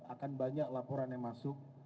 akan banyak laporan yang masuk